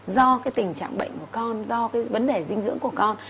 do cái tình trạng bệnh của con do cái vấn đề dinh dưỡng của con